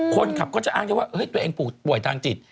คนขับก็จะอ้างได้ว่าตัวเองป่วยทางจิต